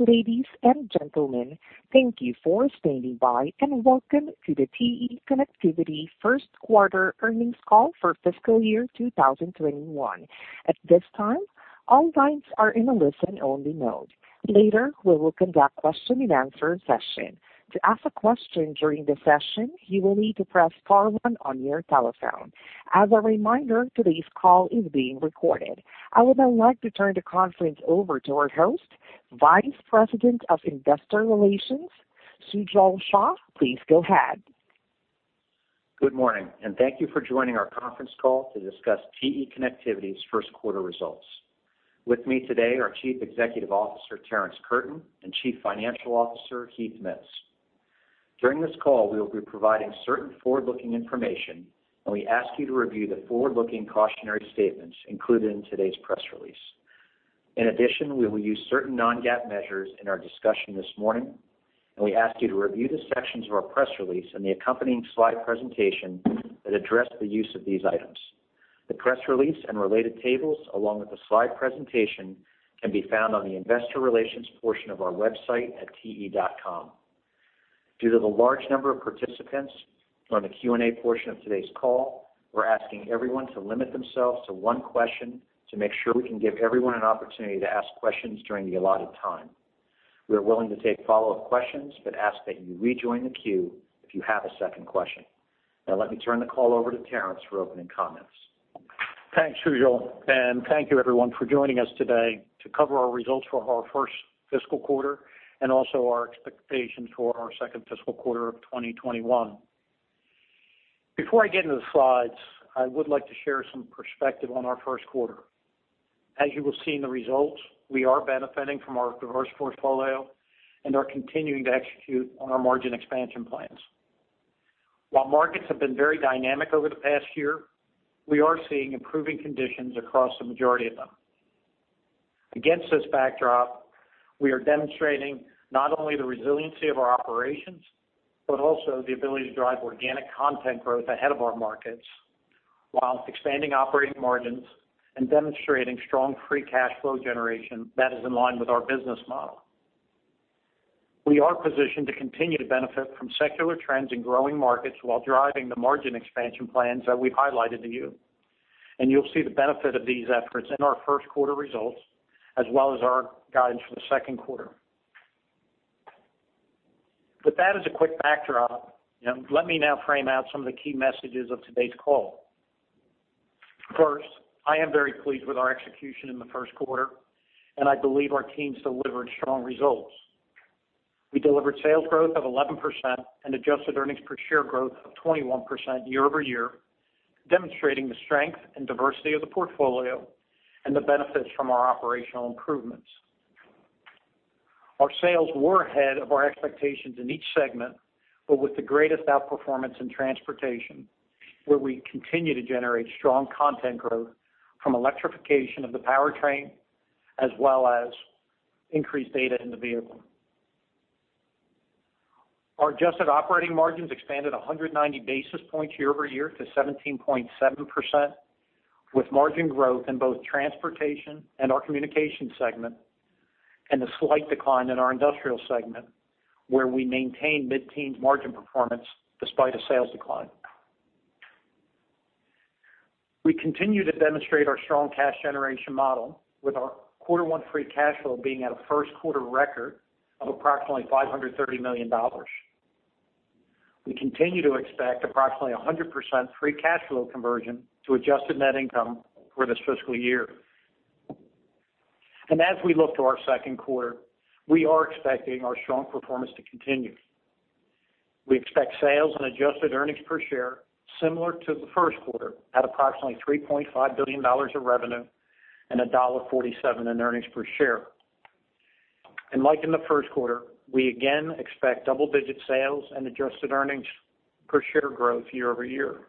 Ladies and gentlemen, thank you for standing by and welcome to the TE Connectivity First Quarter Earnings Call for Fiscal Year 2021. At this time, all lines are in a listen-only mode. Later, we will conduct a question-and-answer session. To ask a question during the session, you will need to press star one on your telephone. As a reminder, today's call is being recorded. I would now like to turn the conference over to our host, Vice President of Investor Relations, Sujal Shah. Please go ahead. Good morning, and thank you for joining our conference call to discuss TE Connectivity's first quarter results. With me today are Chief Executive Officer Terrence Curtin and Chief Financial Officer Heath Mitts. During this call, we will be providing certain forward-looking information, and we ask you to review the forward-looking cautionary statements included in today's press release. In addition, we will use certain non-GAAP measures in our discussion this morning, and we ask you to review the sections of our press release and the accompanying slide presentation that address the use of these items. The press release and related tables, along with the slide presentation, can be found on the Investor Relations portion of our website at te.com. Due to the large number of participants on the Q&A portion of today's call, we're asking everyone to limit themselves to one question to make sure we can give everyone an opportunity to ask questions during the allotted time. We are willing to take follow-up questions, but ask that you rejoin the queue if you have a second question. Now, let me turn the call over to Terrence for opening comments. Thanks, Sujal, and thank you, everyone, for joining us today to cover our results for our first fiscal quarter and also our expectations for our second fiscal quarter of 2021. Before I get into the slides, I would like to share some perspective on our first quarter. As you will see in the results, we are benefiting from our diverse portfolio and are continuing to execute on our margin expansion plans. While markets have been very dynamic over the past year, we are seeing improving conditions across the majority of them. Against this backdrop, we are demonstrating not only the resiliency of our operations but also the ability to drive organic content growth ahead of our markets while expanding operating margins and demonstrating strong free cash flow generation that is in line with our business model. We are positioned to continue to benefit from secular trends in growing markets while driving the margin expansion plans that we've highlighted to you, and you'll see the benefit of these efforts in our first quarter results as well as our guidance for the second quarter. With that as a quick backdrop, let me now frame out some of the key messages of today's call. First, I am very pleased with our execution in the first quarter, and I believe our teams delivered strong results. We delivered sales growth of 11% and adjusted earnings per share growth of 21% year over year, demonstrating the strength and diversity of the portfolio and the benefits from our operational improvements. Our sales were ahead of our expectations in each segment, but with the greatest outperformance in Transportation, where we continue to generate strong content growth from electrification of the powertrain as well as increased data in the vehicle. Our adjusted operating margins expanded 190 basis points year over year to 17.7%, with margin growth in both Transportation and our Communications segment and a slight decline in our Industrial segment, where we maintained mid-teens margin performance despite a sales decline. We continue to demonstrate our strong cash generation model, with our quarter one free cash flow being at a first quarter record of approximately $530 million. We continue to expect approximately 100% free cash flow conversion to adjusted net income for this fiscal year, and as we look to our second quarter, we are expecting our strong performance to continue. We expect sales and adjusted earnings per share similar to the first quarter at approximately $3.5 billion of revenue and $1.47 in earnings per share. And like in the first quarter, we again expect double-digit sales and adjusted earnings per share growth year over year.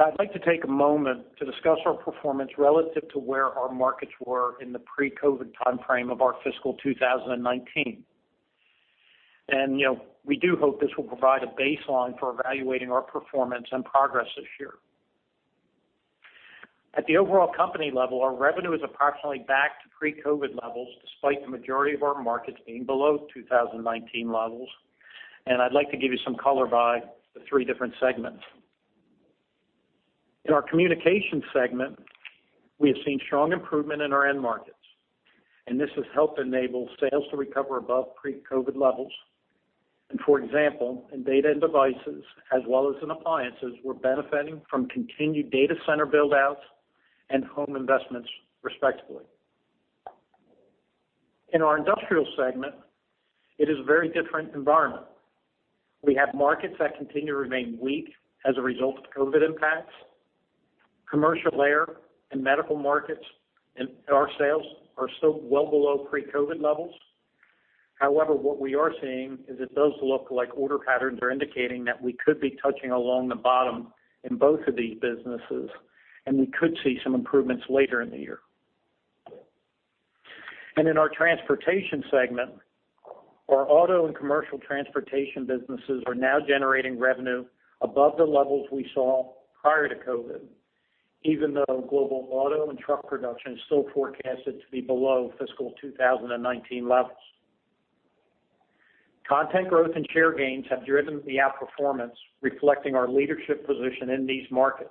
Now, I'd like to take a moment to discuss our performance relative to where our markets were in the pre-COVID timeframe of our fiscal 2019. And we do hope this will provide a baseline for evaluating our performance and progress this year. At the overall company level, our revenue is approximately back to pre-COVID levels despite the majority of our markets being below 2019 levels, and I'd like to give you some color by the three different segments. In our Communications segment, we have seen strong improvement in our end markets, and this has helped enable sales to recover above pre-COVID levels. And for example, in Data and Devices as well as in Appliances, we're benefiting from continued data center build-outs and home investments, respectively. In our Industrial segment, it is a very different environment. We have markets that continue to remain weak as a result of COVID impacts. Commercial Air, and Medical markets and our Sales are still well below pre-COVID levels. However, what we are seeing is it does look like order patterns are indicating that we could be touching along the bottom in both of these businesses, and we could see some improvements later in the year. And in our Transportation segment, our Auto and Commercial Transportation businesses are now generating revenue above the levels we saw prior to COVID, even though global Auto and truck production is still forecasted to be below fiscal 2019 levels. Content growth and share gains have driven the outperformance, reflecting our leadership position in these markets.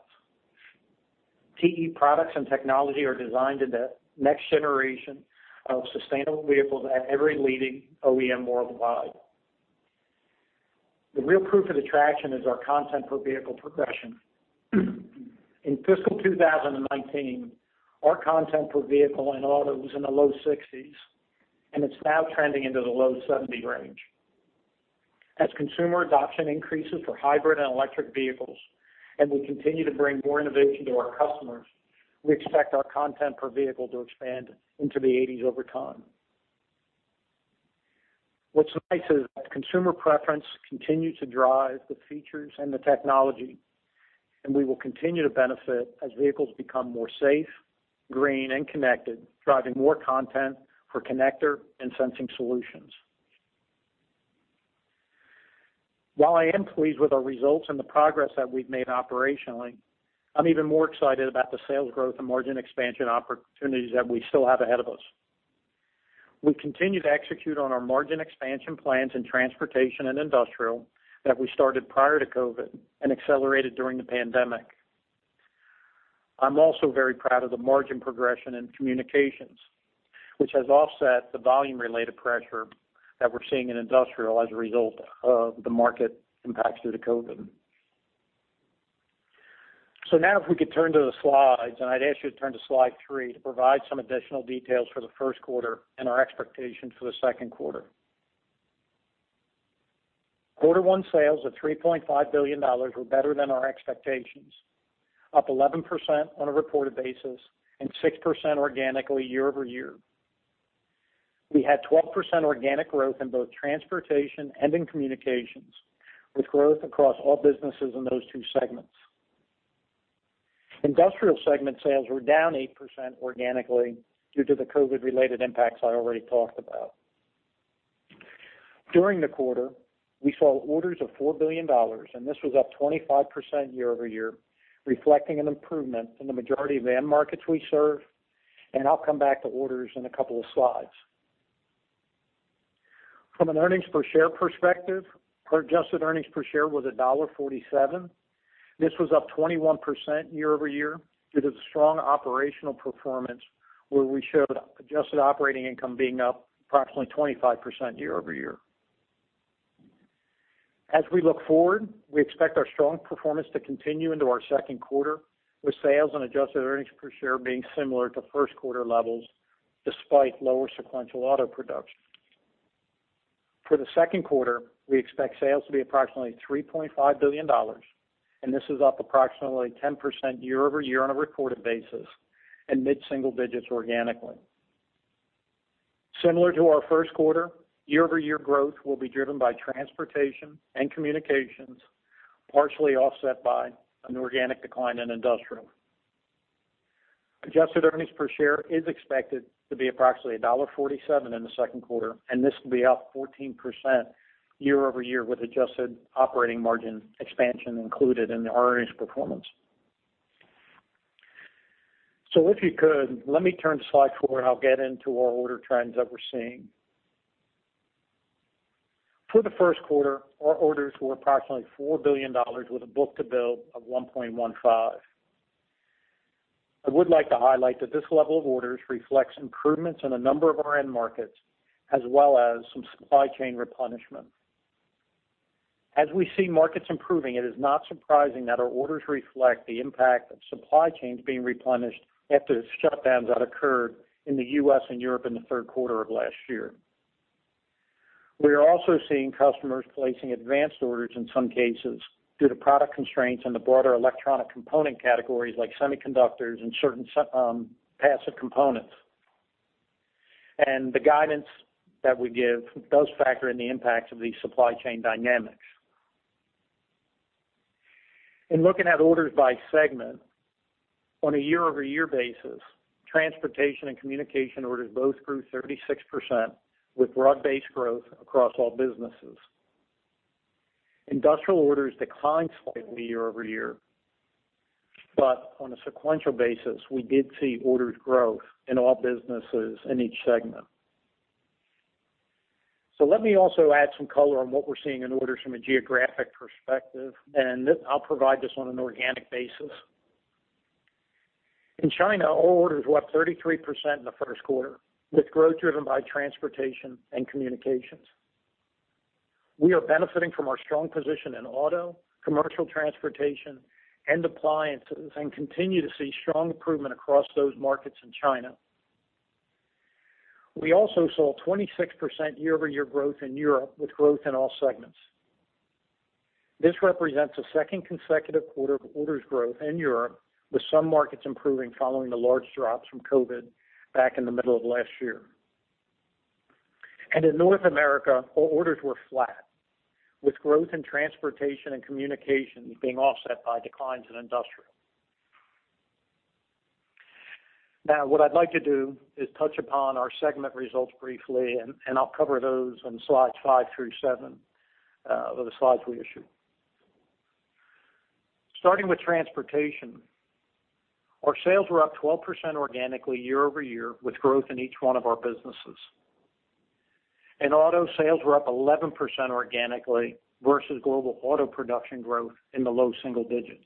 TE products and technology are designed in the next generation of sustainable vehicles at every leading OEM worldwide. The real proof of attraction is our content per vehicle progression. In fiscal 2019, our content per vehicle in Auto was in the low 60s, and it's now trending into the low 70 range. As consumer adoption increases for hybrid and electric vehicles, and we continue to bring more innovation to our customers, we expect our content per vehicle to expand into the 80s over time. What's nice is that consumer preference continues to drive the features and the technology, and we will continue to benefit as vehicles become more safe, green, and connected, driving more content for connector and sensing solutions. While I am pleased with our results and the progress that we've made operationally, I'm even more excited about the sales growth and margin expansion opportunities that we still have ahead of us. We continue to execute on our margin expansion plans in Transportation and Industrial that we started prior to COVID and accelerated during the pandemic. I'm also very proud of the Margin Progression in Communications, which has offset the volume-related pressure that we're seeing in Industrial as a result of the market impacts due to COVID. So now, if we could turn to the slides, and I'd ask you to turn to slide three to provide some additional details for the first quarter and our expectations for the second quarter. Quarter one sales of $3.5 billion were better than our expectations, up 11% on a reported basis and 6% organically year over year. We had 12% organic growth in both Transportation and in Communications, with growth across all businesses in those two segments. Industrial segment sales were down 8% organically due to the COVID-related impacts I already talked about. During the quarter, we saw orders of $4 billion, and this was up 25% year over year, reflecting an improvement in the majority of the end markets we serve, and I'll come back to orders in a couple of slides. From an earnings per share perspective, our adjusted earnings per share was $1.47. This was up 21% year over year due to the strong operational performance, where we showed adjusted operating income being up approximately 25% year over year. As we look forward, we expect our strong performance to continue into our second quarter, with sales and adjusted earnings per share being similar to first quarter levels despite lower sequential Auto production. For the second quarter, we expect sales to be approximately $3.5 billion, and this is up approximately 10% year over year on a reported basis and mid-single digits organically. Similar to our first quarter, year-over-year growth will be driven by Transportation and Communications, partially offset by an organic decline in Industrial. Adjusted earnings per share is expected to be approximately $1.47 in the second quarter, and this will be up 14% year over year with adjusted operating margin expansion included in our earnings performance. So if you could, let me turn to slide four, and I'll get into our order trends that we're seeing. For the first quarter, our orders were approximately $4 billion with a book-to-bill of 1.15. I would like to highlight that this level of orders reflects improvements in a number of our end markets as well as some supply chain replenishment. As we see markets improving, it is not surprising that our orders reflect the impact of supply chains being replenished after the shutdowns that occurred in the U.S. and Europe in the third quarter of last year. We are also seeing customers placing advanced orders in some cases due to product constraints in the broader electronic component categories like semiconductors and certain passive components. And the guidance that we give does factor in the impacts of these supply chain dynamics. In looking at orders by segment, on a year-over-year basis, Transportation and Communication orders both grew 36% with broad-based growth across all businesses. Industrial orders declined slightly year over year, but on a sequential basis, we did see orders growth in all businesses in each segment. So let me also add some color on what we're seeing in orders from a geographic perspective, and I'll provide this on an organic basis. In China, our orders were up 33% in the first quarter, with growth driven by Transportation and Communications. We are benefiting from our strong position in Auto, Commercial Transportation and Appliances and continue to see strong improvement across those markets in China. We also saw 26% year-over-year growth in Europe with growth in all segments. This represents a second consecutive quarter of orders growth in Europe, with some markets improving following the large drops from COVID back in the middle of last year, and in North America, our orders were flat, with growth in Transportation and Communications being offset by declines in Industrial. Now, what I'd like to do is touch upon our segment results briefly, and I'll cover those in slides five through seven of the slides we issued. Starting with Transportation, our sales were up 12% organically year over year with growth in each one of our businesses. In Auto, sales were up 11% organically versus global Auto production growth in the low single digits.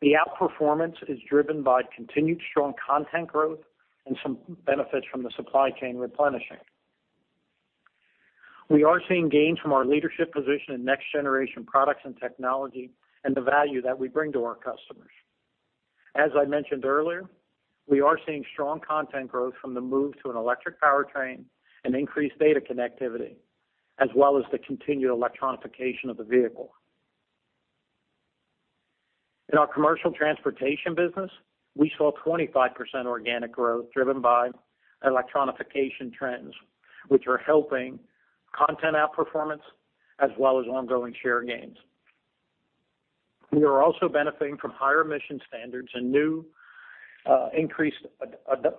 The outperformance is driven by continued strong content growth and some benefits from the supply chain replenishing. We are seeing gains from our leadership position in next-generation products and technology and the value that we bring to our customers. As I mentioned earlier, we are seeing strong content growth from the move to an electric powertrain and increased data connectivity as well as the continued electrification of the vehicle. In our Commercial Transportation business, we saw 25% organic growth driven by electrification trends, which are helping content outperformance as well as ongoing share gains. We are also benefiting from higher emission standards and new increased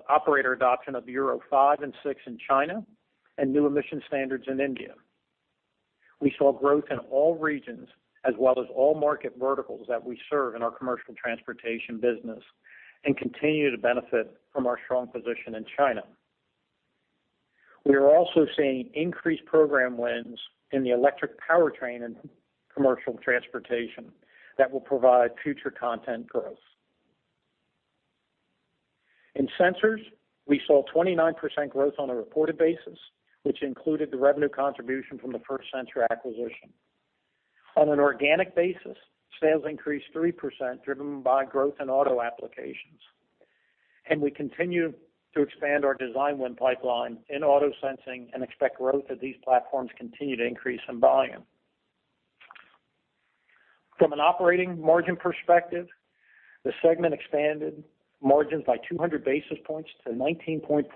operator adoption of Euro 5 and 6 in China and new emission standards in India. We saw growth in all regions as well as all market verticals that we serve in our Commercial Transportation business and continue to benefit from our strong position in China. We are also seeing increased program wins in the electric powertrain and Commercial Transportation that will provide future content growth. In sensors, we saw 29% growth on a reported basis, which included the revenue contribution from the First Sensor Acquisition. On an organic basis, sales increased 3% driven by growth in Auto Applications. We continue to expand our design win pipeline in Auto sensing and expect growth as these platforms continue to increase in volume. From an operating margin perspective, the segment expanded margins by 200 basis points to 19.4%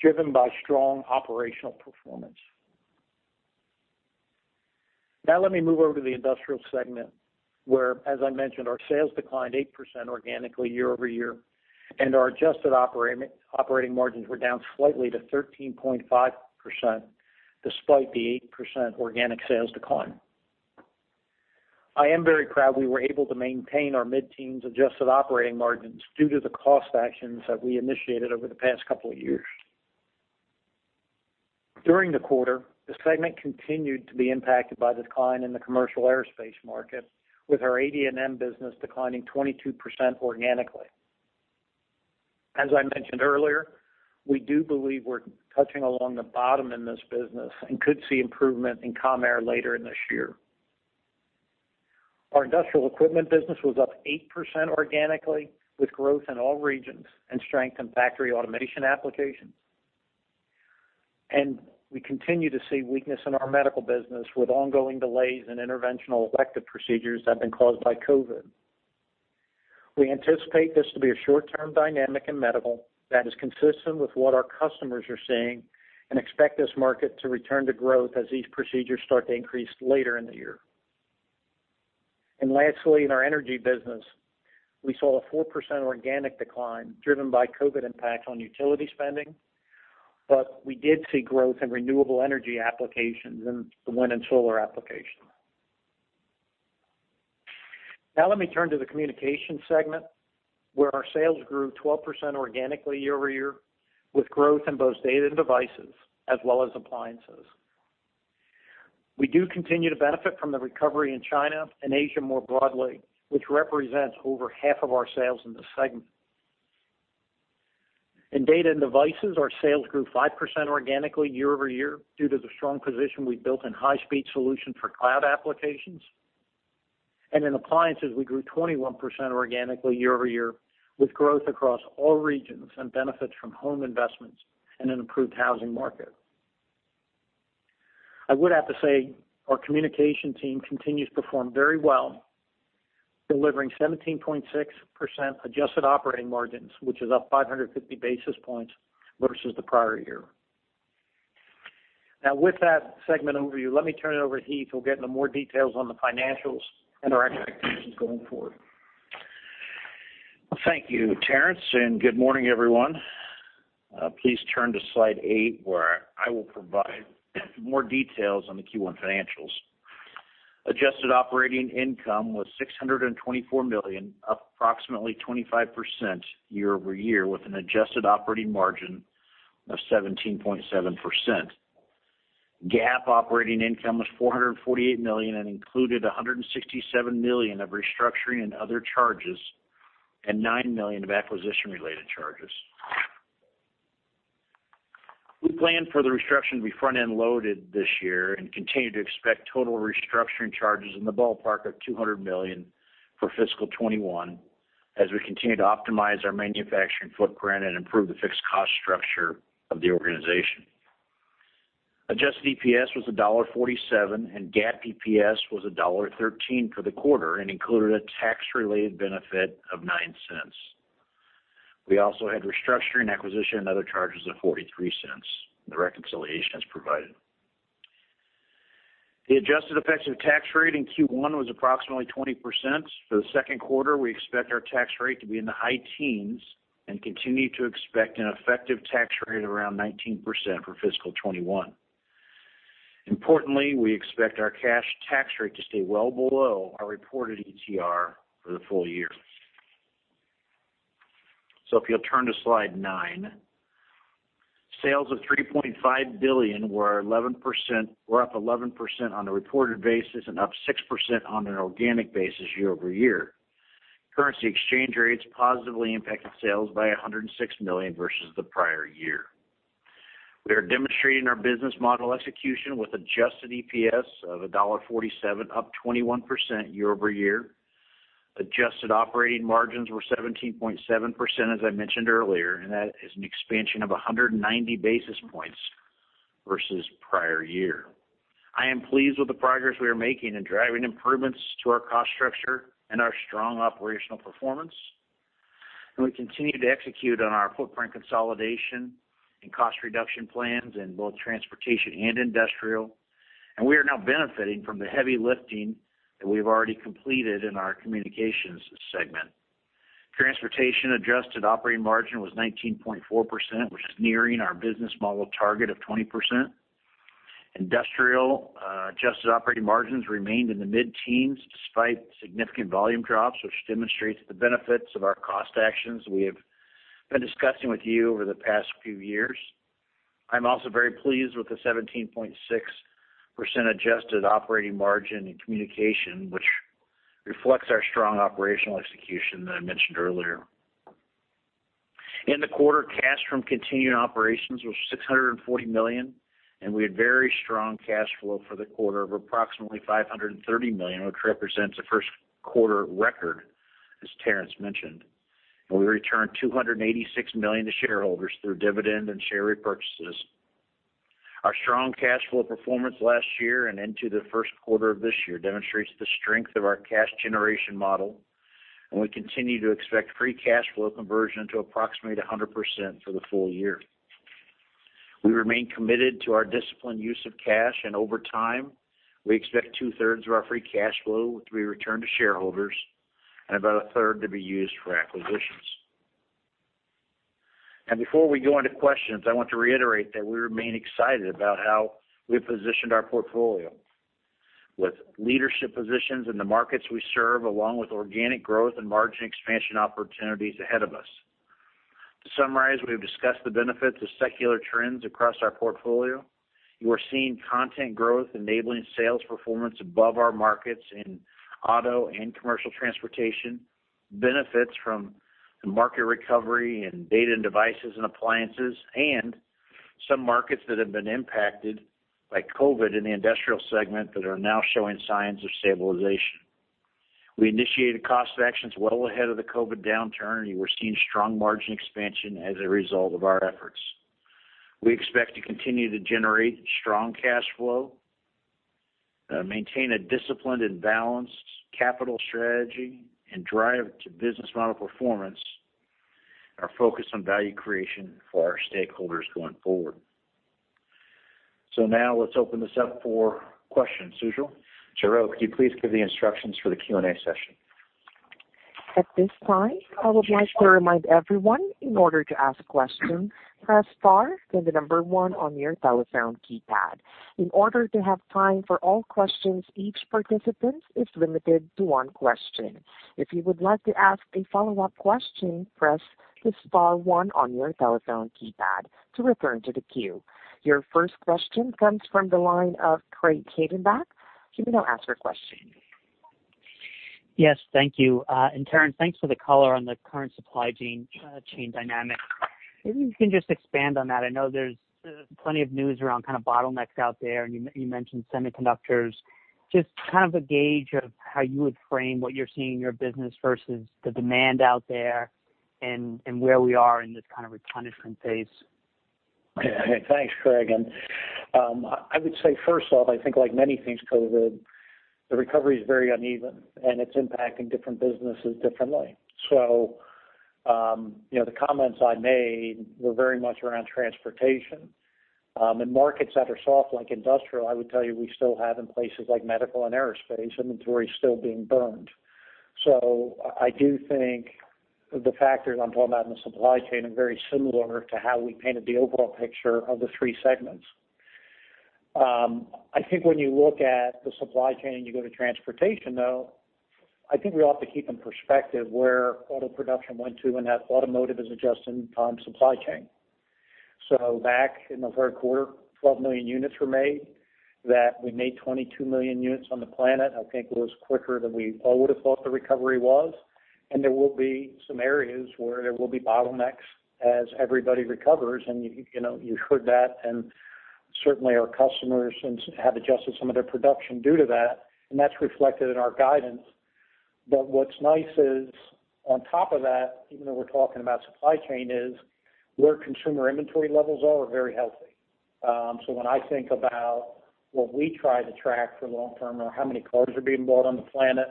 driven by strong operational performance. Now, let me move over to the Industrial segment where, as I mentioned, our sales declined 8% organically year over year, and our adjusted operating margins were down slightly to 13.5% despite the 8% organic sales decline. I am very proud we were able to maintain our mid-teens adjusted operating margins due to the cost actions that we initiated over the past couple of years. During the quarter, the segment continued to be impacted by the decline in the commercial aerospace market, with our AD&M business declining 22% organically. As I mentioned earlier, we do believe we're touching along the bottom in this business and could see improvement in commercial air later in this year. Our Industrial Equipment business was up 8% organically with growth in all regions and strength in Factory Automation Applications. We continue to see weakness in our Medical business with ongoing delays in interventional elective procedures that have been caused by COVID. We anticipate this to be a short-term dynamic in Medical that is consistent with what our customers are seeing and expect this market to return to growth as these procedures start to increase later in the year. Lastly, in our Energy business, we saw a 4% organic decline driven by COVID impacts on utility spending, but we did see growth in renewable energy applications and the wind and solar applications. Now, let me turn to the Communications segment where our sales grew 12% organically year over year with growth in both Data and Devices as well as Appliances. We do continue to benefit from the recovery in China and Asia more broadly, which represents over half of our sales in this segment. In Data and Devices, our sales grew 5% organically year over year due to the strong position we've built in high-speed solutions for cloud applications. And in Appliances, we grew 21% organically year over year with growth across all regions and benefits from home investments and an improved housing market. I would have to say our Communications team continues to perform very well, delivering 17.6% adjusted operating margins, which is up 550 basis points versus the prior year. Now, with that segment overview, let me turn it over to Heath. He'll get into more details on the financials and our expectations going forward. Thank you, Terrence, and good morning, everyone. Please turn to slide eight where I will provide more details on the Q1 financials. Adjusted operating income was $624 million, up approximately 25% year over year with an adjusted operating margin of 17.7%. GAAP operating income was $448 million and included $167 million of restructuring and other charges and $9 million of acquisition-related charges. We plan for the restructuring to be front-end loaded this year and continue to expect total restructuring charges in the ballpark of $200 million for fiscal 2021 as we continue to optimize our manufacturing footprint and improve the fixed cost structure of the organization. Adjusted EPS was $1.47, and GAAP EPS was $1.13 for the quarter and included a tax-related benefit of $0.09. We also had restructuring acquisition and other charges of $0.43, the reconciliations provided. The adjusted effective tax rate in Q1 was approximately 20%. For the second quarter, we expect our tax rate to be in the high teens and continue to expect an effective tax rate of around 19% for fiscal 2021. Importantly, we expect our cash tax rate to stay well below our reported ETR for the full year. So if you'll turn to slide nine, sales of $3.5 billion were up 11% on a reported basis and up 6% on an organic basis year over year. Currency exchange rates positively impacted sales by $106 million versus the prior year. We are demonstrating our business model execution with adjusted EPS of $1.47, up 21% year over year. Adjusted operating margins were 17.7%, as I mentioned earlier, and that is an expansion of 190 basis points versus prior year. I am pleased with the progress we are making in driving improvements to our cost structure and our strong operational performance. And we continue to execute on our footprint consolidation and cost reduction plans in both Transportation and Industrial. And we are now benefiting from the heavy lifting that we've already completed in our Communications segment. Transportation adjusted operating margin was 19.4%, which is nearing our business model target of 20%. Industrial adjusted operating margins remained in the mid-teens despite significant volume drops, which demonstrates the benefits of our cost actions we have been discussing with you over the past few years. I'm also very pleased with the 17.6% adjusted operating margin in Communications, which reflects our strong operational execution that I mentioned earlier. In the quarter, cash from continuing operations was $640 million, and we had very strong cash flow for the quarter of approximately $530 million, which represents a first quarter record, as Terrence mentioned. And we returned $286 million to shareholders through dividend and share repurchases. Our strong cash flow performance last year and into the first quarter of this year demonstrates the strength of our cash generation model, and we continue to expect free cash flow conversion to approximately 100% for the full year. We remain committed to our disciplined use of cash, and over time, we expect two-thirds of our free cash flow to be returned to shareholders and about a third to be used for acquisitions. Now, before we go into questions, I want to reiterate that we remain excited about how we've positioned our portfolio with leadership positions in the markets we serve, along with organic growth and margin expansion opportunities ahead of us. To summarize, we have discussed the benefits of secular trends across our portfolio. You are seeing content growth enabling sales performance above our markets in Auto and Commercial Transportation, benefits from the market recovery in Data and Devices and Appliances, and some markets that have been impacted by COVID in the Industrial segment that are now showing signs of stabilization. We initiated cost actions well ahead of the COVID downturn, and you were seeing strong margin expansion as a result of our efforts. We expect to continue to generate strong cash flow, maintain a disciplined and balanced capital strategy, and drive to business model performance and our focus on value creation for our stakeholders going forward. So now, let's open this up for questions. Sujal, Jeri, could you please give the instructions for the Q&A session? At this time, I would like to remind everyone in order to ask questions, press star and the number one on your telephone keypad. In order to have time for all questions, each participant is limited to one question. If you would like to ask a follow-up question, press the star one on your telephone keypad to return to the queue. Your first question comes from the line of Craig Hettenbach. He may now ask your question. Yes, thank you, and Terrence, thanks for the color on the current supply chain dynamic. Maybe you can just expand on that. I know there's plenty of news around kind of bottlenecks out there, and you mentioned semiconductors. Just kind of a gauge of how you would frame what you're seeing in your business versus the demand out there and where we are in this kind of replenishment phase. Thanks, Craig. And I would say, first off, I think like many things COVID, the recovery is very uneven, and it's impacting different businesses differently. So the comments I made were very much around Transportation. In markets that are soft like Industrial, I would tell you we still have in places like Medical and Aerospace, inventory still being burned. So I do think the factors I'm talking about in the supply chain are very similar to how we painted the overall picture of the three segments. I think when you look at the supply chain and you go to Transportation, though, I think we ought to keep in perspective where Auto production went to and how Automotive is adjusting on supply chain, so back in the third quarter, 12 million units were made. That we made 22 million units on the planet, I think, was quicker than we all would have thought the recovery was, and there will be some areas where there will be bottlenecks as everybody recovers, and you heard that. And certainly, our customers have adjusted some of their production due to that, and that's reflected in our guidance, but what's nice is, on top of that, even though we're talking about supply chain, is where consumer inventory levels are very healthy. So when I think about what we try to track for long-term or how many cars are being bought on the planet,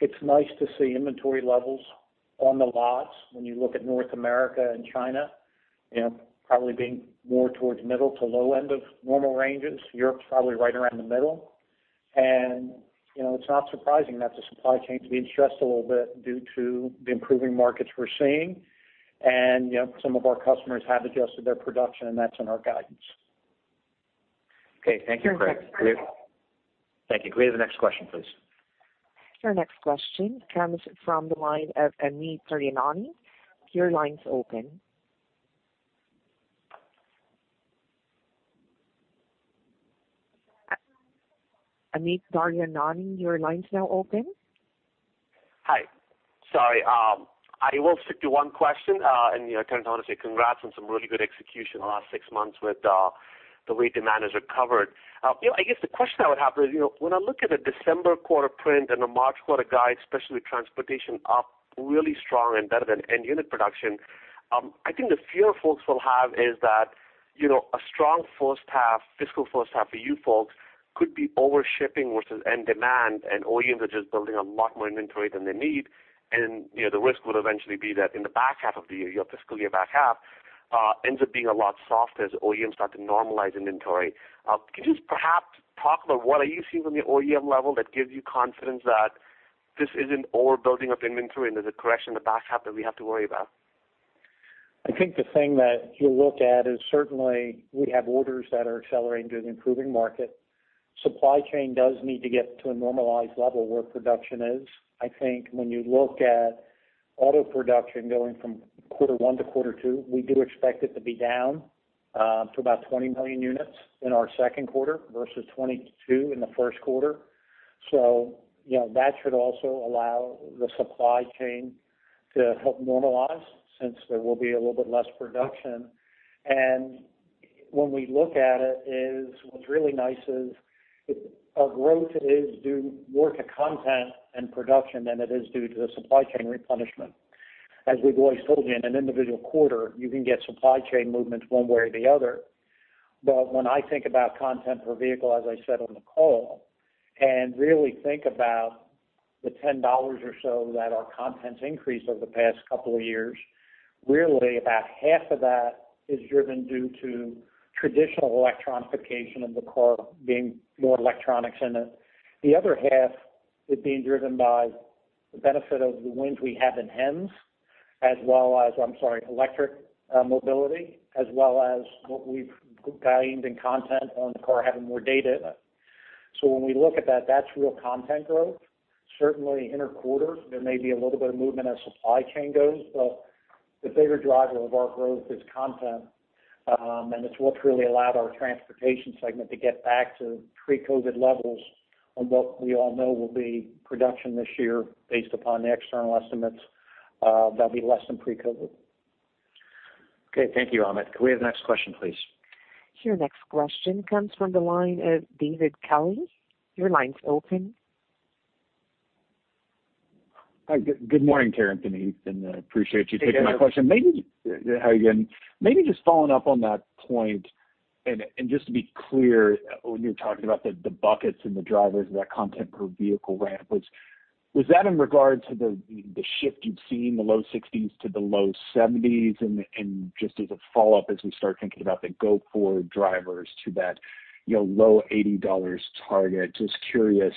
it's nice to see inventory levels on the lots. When you look at North America and China, probably being more towards middle to low end of normal ranges. Europe's probably right around the middle. And it's not surprising that the supply chain is being stressed a little bit due to the improving markets we're seeing. And some of our customers have adjusted their production, and that's in our guidance. Okay, thank you, Craig. Thank you. Clea has the next question, please. Our next question comes from the line of Amit Daryanani. Your line's open. Amit Daryanani, your line's now open. Hi. Sorry. I will stick to one question, and I can honestly say congrats on some really good execution in the last six months with the way demand has recovered. I guess the question I would have is, when I look at the December quarter print and the March quarter guide, especially with Transportation up really strong and better than end unit production, I think the fear folks will have is that a strong first half, fiscal first half for you folks could be overshipping versus end demand, and OEMs are just building a lot more inventory than they need, and the risk would eventually be that in the back half of the year, your fiscal year back half ends up being a lot softer as OEMs start to normalize inventory. Could you just perhaps talk about what are you seeing from the OEM level that gives you confidence that this isn't overbuilding of inventory and there's a correction in the back half that we have to worry about? I think the thing that you'll look at is certainly we have orders that are accelerating to an improving market. Supply chain does need to get to a normalized level where production is. I think when you look at Auto production going from quarter one to quarter two, we do expect it to be down to about 20 million units in our second quarter versus 22 in the first quarter. So that should also allow the supply chain to help normalize since there will be a little bit less production. And when we look at it, what's really nice is our growth is due more to content and production than it is due to the supply chain replenishment. As we've always told you, in an individual quarter, you can get supply chain movements one way or the other. But when I think about content per vehicle, as I said on the call, and really think about the $10 or so that our content's increased over the past couple of years, really about half of that is driven due to traditional electrification of the car, being more electronics in it. The other half is being driven by the benefit of the wins we have in HEVs, as well as, I'm sorry, electric mobility, as well as what we've gained in content on the car having more data in it. So when we look at that, that's real content growth. Certainly, interquarters, there may be a little bit of movement as supply chain goes, but the bigger driver of our growth is content, and it's what's really allowed our Transportation segment to get back to pre-COVID levels on what we all know will be production this year based upon the external estimates that'll be less than pre-COVID. Okay, thank you, Amit. Clea next question, please. Your next question comes from the line of David Kelley. Your line is open. Hi. Good morning, Terrence and Heath. I appreciate you taking my question. Maybe just following up on that point, and just to be clear, when you're talking about the buckets and the drivers of that content per vehicle ramp, was that in regard to the shift you've seen, the low 60s to the low 70s, and just as a follow-up as we start thinking about the go-forward drivers to that low $80 target, just curious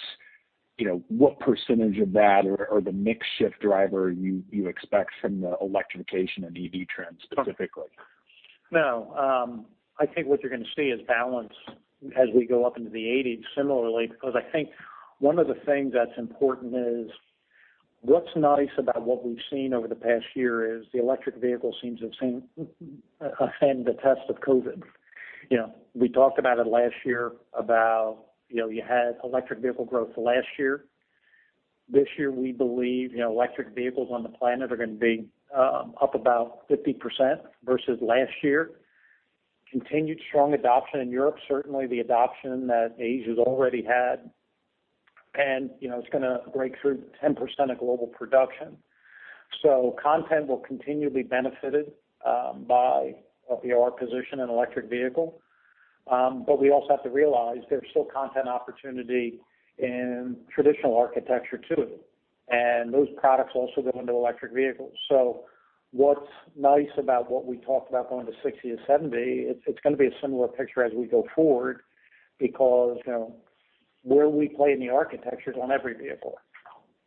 what percentage of that or the mixed shift driver you expect from the electrification and EV trends specifically? No. I think what you're going to see is balance as we go up into the 80s similarly, because I think one of the things that's important is what's nice about what we've seen over the past year is the electric vehicle seems to have withstood the test of COVID. We talked about it last year about you had electric vehicle growth last year. This year, we believe electric vehicles on the planet are going to be up about 50% versus last year. Continued strong adoption in Europe, certainly the adoption that Asia has already had, and it's going to break through 10% of global production, so content will continually be benefited by our position in electric vehicle, but we also have to realize there's still content opportunity in traditional architecture too, and those products also go into electric vehicles, so what's nice about what we talked about going to 60-70, it's going to be a similar picture as we go forward because where we play in the architecture is on every vehicle.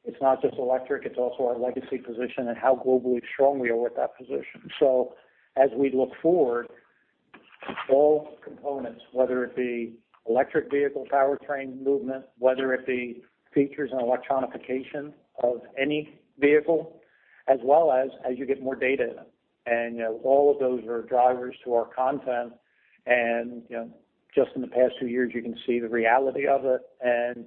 It's not just electric. It's also our legacy position and how globally strong we are with that position. So as we look forward, all components, whether it be electric vehicle powertrain movement, whether it be features and electrification of any vehicle, as well as you get more data in it. And all of those are drivers to our content. And just in the past few years, you can see the reality of it. And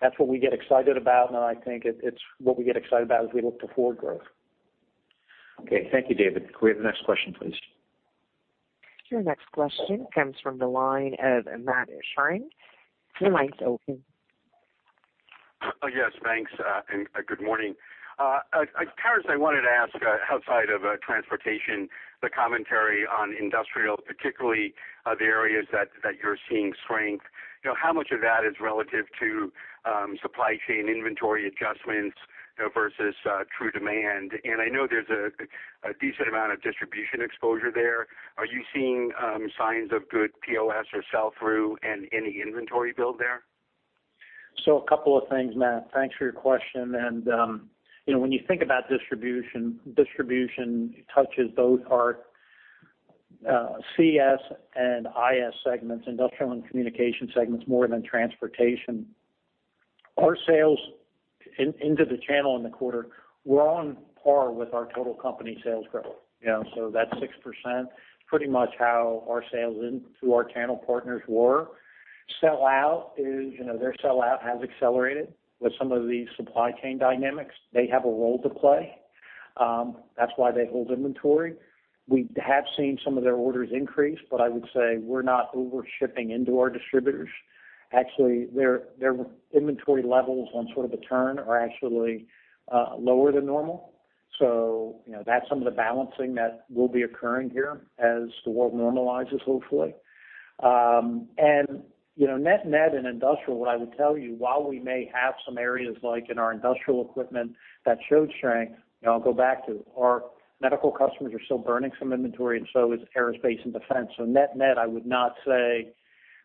that's what we get excited about. And I think it's what we get excited about as we look to forward growth. Okay, thank you, David. Clea next question, please. Your next question comes from the line of Matt Sheerin. Your line is open. Yes, thanks. And good morning. Terrence, I wanted to ask outside of Transportation, the commentary on Industrial, particularly the areas that you're seeing strength, how much of that is relative to supply chain inventory adjustments versus true demand? And I know there's a decent amount of distribution exposure there. Are you seeing signs of good POS or sell-through and any inventory build there? So a couple of things, Matt. Thanks for your question. And when you think about distribution, distribution touches both our CS and IS segments, Industrial and communication segments, more than Transportation. Our sales into the channel in the quarter, we're on par with our total company sales growth. So that's 6%, pretty much how our sales through our channel partners were. Sell-out is their sell-out has accelerated with some of these supply chain dynamics. They have a role to play. That's why they hold inventory. We have seen some of their orders increase, but I would say we're not overshipping into our distributors. Actually, their inventory levels on sort of the turn are actually lower than normal. So that's some of the balancing that will be occurring here as the world normalizes, hopefully. Net-net in Industrial, what I would tell you, while we may have some areas like in our Industrial equipment that showed strength, I'll go back to our Medical customers are still burning some inventory, and so is aerospace and defense. Net-net, I would not say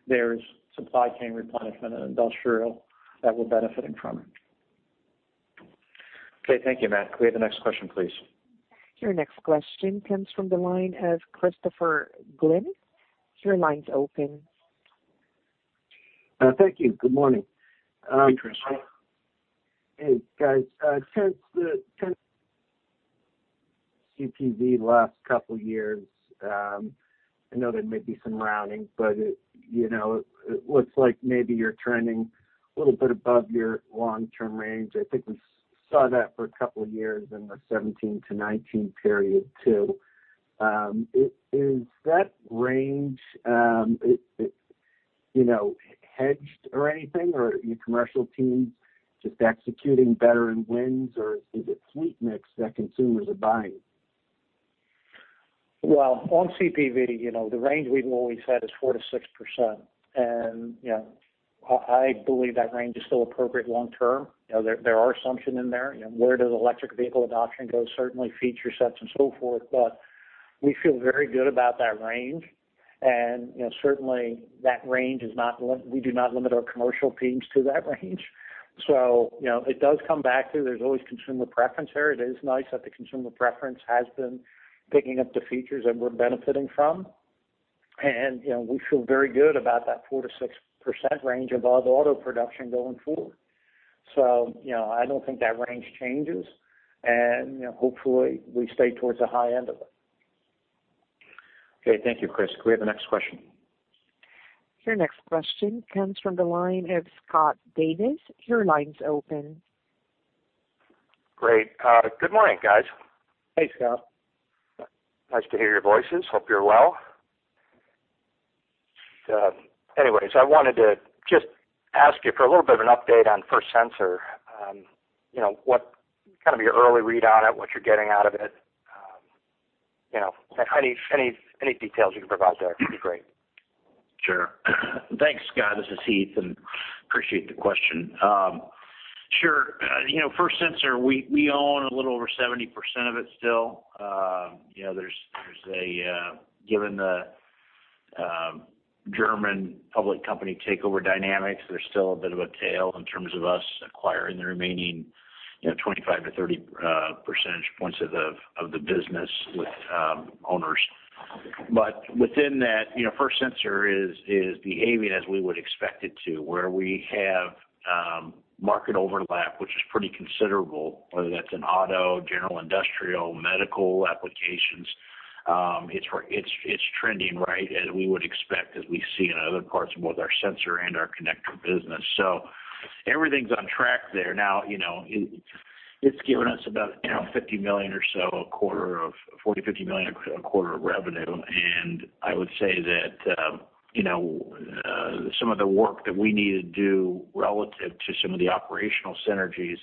there's supply chain replenishment in Industrial that we're benefiting from. Okay, thank you, Matt. Clea next question, please. Your next question comes from the line of Christopher Glynn. Your line's open. Thank you. Good morning. Hey, Terrence. Hey, guys. Since the CPV last couple of years, I know there may be some rounding, but it looks like maybe you're trending a little bit above your long-term range. I think we saw that for a couple of years in the 2017 to 2019 period too. Is that range hedged or anything, or are your commercial teams just executing better in wins, or is it fleet mix that consumers are buying? Well, on CPV, the range we've always had is 4%-6%. And I believe that range is still appropriate long-term. There are assumptions in there. Where does electric vehicle adoption go? Certainly, feature sets and so forth. But we feel very good about that range. And certainly, that range, we do not limit our commercial teams to that range. So it does come back to there's always consumer preference there. It is nice that the consumer preference has been picking up the features that we're benefiting from. And we feel very good about that 4%-6% range of Auto production going forward. So I don't think that range changes. And hopefully, we stay towards the high end of it. Okay, thank you, Chris. Clea next question. Your next question comes from the line of Scott Davis. Your line's open. Great. Good morning, guys. Hey, Scott. Nice to hear your voices. Hope you're well. Anyways, I wanted to just ask you for a little bit of an update on First Sensor, kind of your early read on it, what you're getting out of it. Any details you can provide there would be great. Sure. Thanks, Scott. This is Heath, and I appreciate the question. Sure. First Sensor, we own a little over 70% of it still. There's, given the German public company takeover dynamics, there's still a bit of a tail in terms of us acquiring the remaining 25-30 percentage points of the business with owners. But within that, First Sensor is behaving as we would expect it to, where we have market overlap, which is pretty considerable, whether that's in Auto, general Industrial, Medical applications. It's trending right as we would expect, as we see in other parts of both our sensor and our connector business. So everything's on track there. Now, it's given us about $50 million or so a quarter, or $40-$50 million a quarter of revenue. And I would say that some of the work that we need to do relative to some of the operational synergies,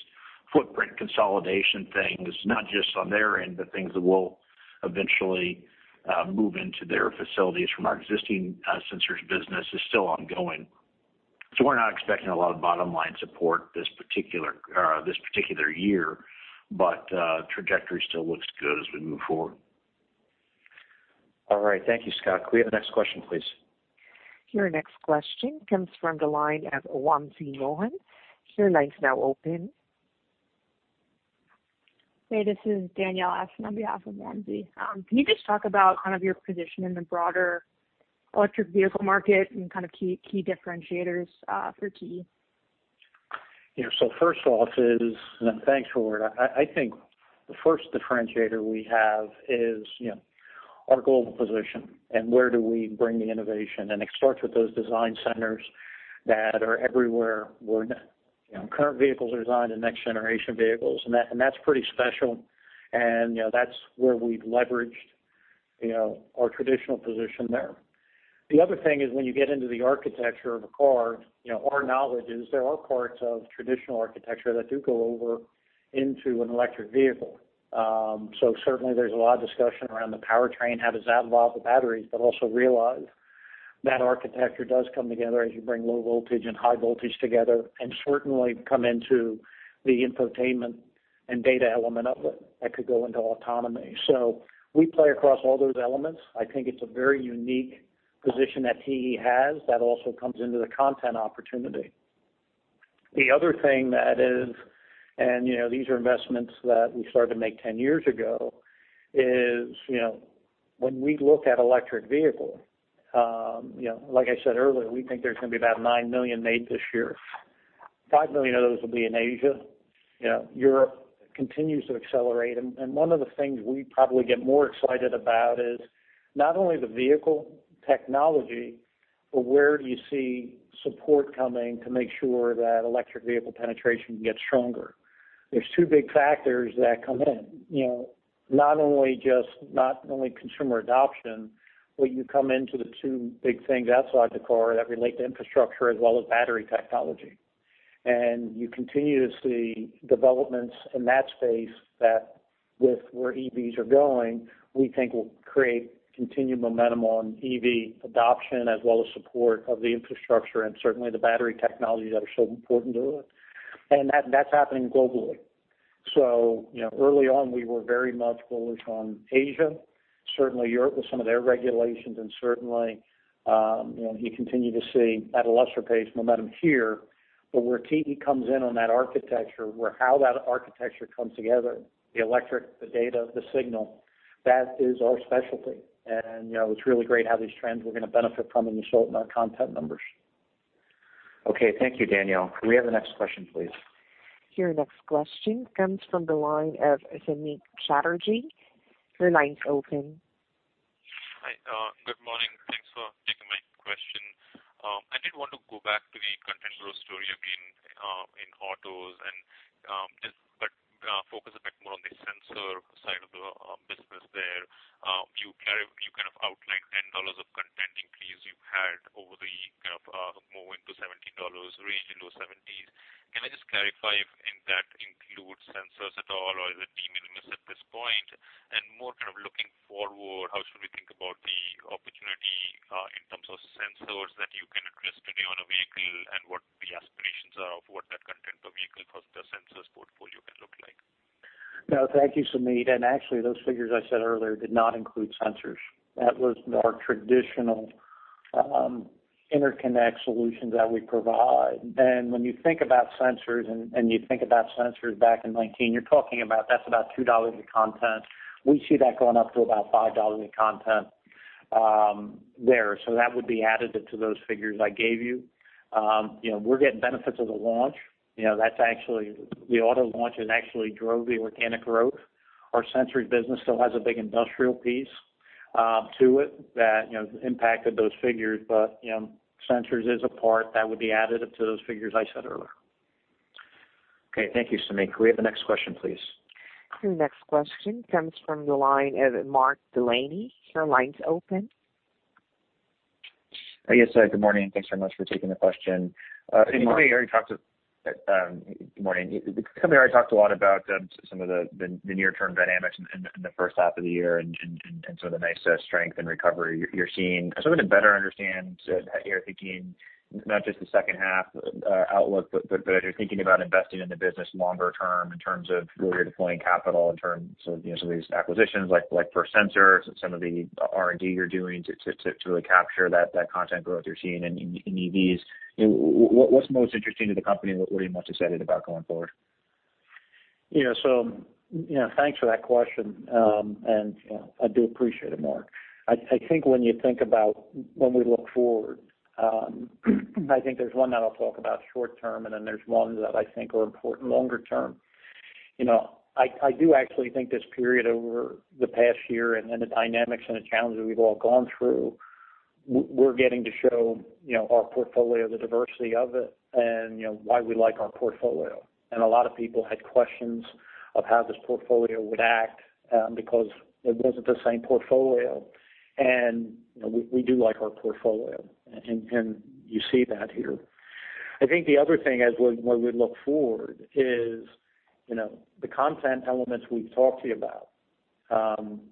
footprint consolidation things, not just on their end, but things that will eventually move into their facilities from our existing Sensors business is still ongoing. So we're not expecting a lot of bottom line support this particular year, but the trajectory still looks good as we move forward. Ail right. Thank you, Scott. Clea next question, please. Your next question comes from the line of Wamsi Mohan. Your line's now open. Hey, this is Danielle Ashton on behalf of Wamsi. Can you just talk about kind of your position in the broader electric vehicle market and kind of key differentiators for TE? So first off is, and thanks, Danielle. I think the first differentiator we have is our global position and where do we bring the innovation. And it starts with those design centers that are everywhere where current vehicles are designed and next-generation vehicles. And that's pretty special. And that's where we've leveraged our traditional position there. The other thing is when you get into the architecture of a car, our knowledge is there are parts of traditional architecture that do go over into an electric vehicle. So certainly, there's a lot of discussion around the powertrain, how does that involve the batteries, but also realize that architecture does come together as you bring low voltage and high voltage together, and certainly come into the infotainment and data element of it that could go into autonomy. So we play across all those elements. I think it's a very unique position that TE has that also comes into the content opportunity. The other thing that is, and these are investments that we started to make 10 years ago, is when we look at electric vehicles, like I said earlier, we think there's going to be about 9 million made this year. 5 million of those will be in Asia. Europe continues to accelerate. And one of the things we probably get more excited about is not only the vehicle technology, but where do you see support coming to make sure that electric vehicle penetration gets stronger? There's two big factors that come in. Not only consumer adoption, but you come into the two big things outside the car that relate to infrastructure as well as battery technology. And you continue to see developments in that space that, with where EVs are going, we think will create continued momentum on EV adoption as well as support of the infrastructure and certainly the battery technology that are so important to it. And that's happening globally. So early on, we were very much bullish on Asia. Certainly, Europe with some of their regulations, and certainly you continue to see at a lesser pace momentum here. But where TE comes in on that architecture, where how that architecture comes together, the electric, the data, the signal, that is our specialty. And it's really great how these trends are going to benefit from it and you saw it in our content numbers. Okay, thank you, Danielle. Clea next question, please. Your next question comes from the line of Samik Chatterjee. Your line's open. Hi. Good morning. Thanks for taking my question. I did want to go back to the content growth story again in Autos, but focus a bit more on the sensor side of the business there. You kind of outlined $10 of content increase you've had over the kind of moving to $17 range, into the 70s. Can I just clarify if that includes Sensors at all, or is it de minimis at this point? And more kind of looking forward, how should we think about the opportunity in terms of Sensors that you can address today on a vehicle and what the aspirations are of what that content per vehicle plus the Sensors portfolio can look like? No, thank you, Samik. And actually, those figures I said earlier did not include Sensors. That was our traditional interconnect solutions that we provide. And when you think about Sensors and you think about Sensors back in 2019, you're talking about that's about $2 a content. We see that going up to about $5 a content there. So that would be additive to those figures I gave you. We're getting benefits of the launch. The Auto launch has actually drove the organic growth. Our sensor business still has a big Industrial piece to it that impacted those figures. But Sensors is a part that would be additive to those figures I said earlier. Okay, thank you, Samik. Clea next question, please. Your next question comes from the line of Mark Delaney. Your line is open. Yes, hi. Good morning. Thanks very much for taking the question. Good morning. The company I already talked to a lot about some of the near-term dynamics in the first half of the year and some of the nice strength and recovery you are seeing. So to better understand your thinking, not just the second half outlook, but your thinking about investing in the business longer term in terms of where you are deploying capital in terms of some of these acquisitions like First Sensor, some of the R&D you are doing to really capture that content growth you are seeing in EVs. What's most interesting to the company? What are you most excited about going forward? So, thanks for that question. And I do appreciate it, Mark. I think when you think about when we look forward, I think there's one that I'll talk about short-term, and then there's ones that I think are important longer term. I do actually think this period over the past year and the dynamics and the challenges we've all gone through. We're getting to show our portfolio, the diversity of it, and why we like our portfolio. And a lot of people had questions of how this portfolio would act because it wasn't the same portfolio. And we do like our portfolio, and you see that here. I think the other thing as we look forward is the content elements we've talked to you about.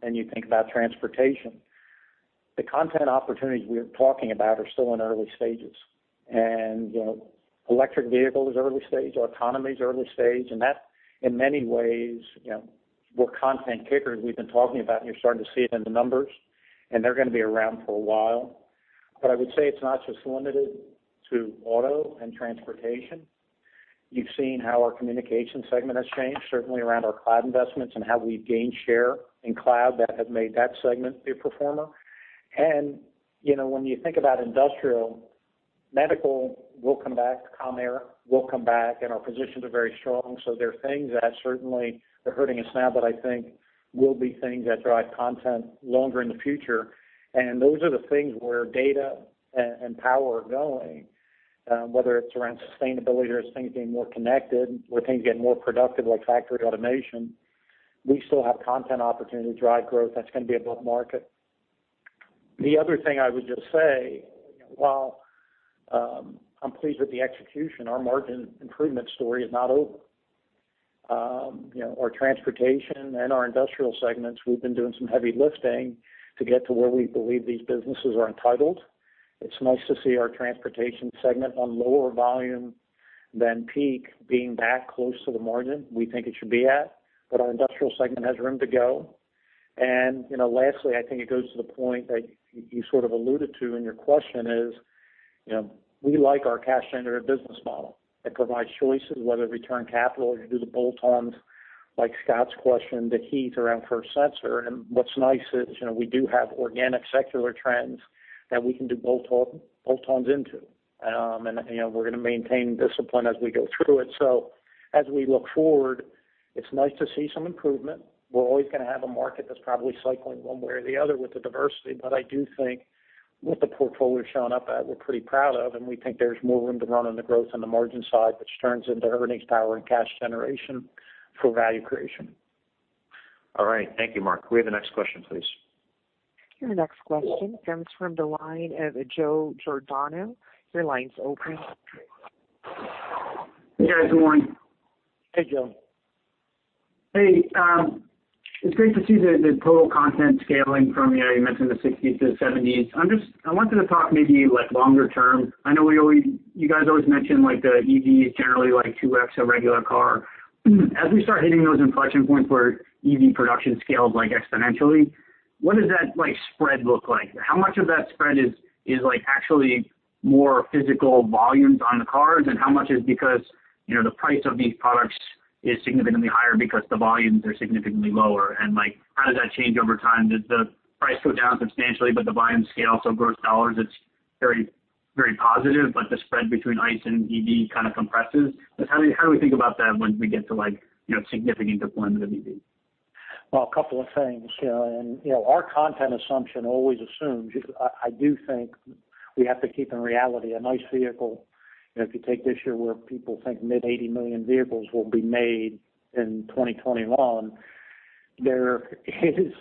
And you think about Transportation. The content opportunities we're talking about are still in early stages, and electric vehicle is early stage, Autonomy is early stage, and that, in many ways, we're content kickers we've been talking about, and you're starting to see it in the numbers, and they're going to be around for a while, but I would say it's not just limited to Auto and Transportation. You've seen how our Communications segment has changed, certainly around our cloud investments and how we've gained share in cloud that has made that segment be a performer, and when you think about Industrial, Medical will come back, commercial aero will come back, and our positions are very strong, so there are things that certainly are hurting us now that I think will be things that drive content longer in the future. And those are the things where data and power are going, whether it's around sustainability or things being more connected or things getting more productive like factory automation. We still have content opportunity to drive growth that's going to be above market. The other thing I would just say, while I'm pleased with the execution, our margin improvement story is not over. Our Transportation and our Industrial segments, we've been doing some heavy lifting to get to where we believe these businesses are entitled. It's nice to see our Transportation segment on lower volume than peak being back close to the margin we think it should be at, but our Industrial segment has room to go. And lastly, I think it goes to the point that you sort of alluded to in your question, is we like our cash-centered business model. It provides choices, whether return capital or you do the bolt-ons like Scott's question, the heat around First Sensor. And what's nice is we do have organic secular trends that we can do bolt-ons into. And we're going to maintain discipline as we go through it. So as we look forward, it's nice to see some improvement. We're always going to have a market that's probably cycling one way or the other with the diversity, but I do think with the portfolio shaping up that we're pretty proud of, and we think there's more room to run on the growth on the margin side, which turns into earnings power and cash generation for value creation. All right. Thank you, Mark. Clea next question, please. Your next question comes from the line of Joe Giordano. Your line's open. Hey, guys. Good morning. Hey, Joe. Hey. It's great to see the total content scaling from, you mentioned, the 60s to the 70s. I wanted to talk maybe longer term. I know you guys always mentioned the EVs generally like 2X a regular car. As we start hitting those inflection points where EV production scales exponentially, what does that spread look like? How much of that spread is actually more physical volumes on the cars, and how much is because the price of these products is significantly higher because the volumes are significantly lower? And how does that change over time? Does the price go down substantially, but the volume scale so gross dollars, it's very positive, but the spread between ICE and EV kind of compresses? How do we think about that when we get to significant deployment of EV? Well, a couple of things. And our content assumption always assumes. I do think we have to keep in reality an ICE vehicle. If you take this year where people think mid-80 million vehicles will be made in 2021, there is